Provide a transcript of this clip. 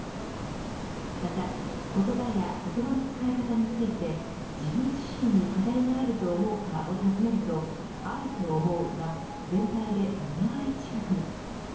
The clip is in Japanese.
また言葉や言葉の使い方について自分自身に課題があると思うかを尋ねるとあると思うが全体で７割近くに。